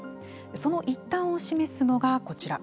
その一端を示すのがこちら。